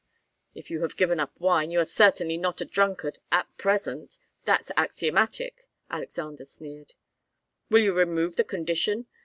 "If you have given up wine, you are certainly not a drunkard at present. That's axiomatic." Alexander sneered. "Will you remove the condition?